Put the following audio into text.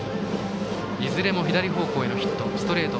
いずれも左方向へのヒット。